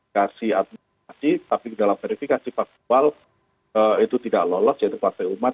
kasih administrasi tapi dalam verifikasi faktual itu tidak lolos yaitu partai umat